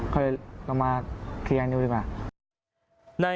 ค่อยเอามาเคลียร์ดูดีกว่า